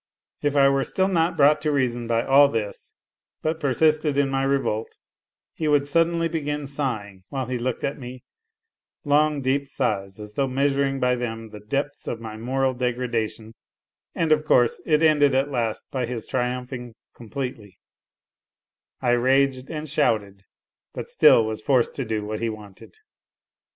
If I were still not brought to reason by all this, but persisted in my revolt, he would suddenly begin sighing while he looked at me, long, deep sighs as though measuring by them the depths of my moral degradation, and, of course, it ended at last by his triumphing completely : I raged and shouted, but still was forced to do what he wanted.